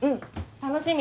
楽しみ。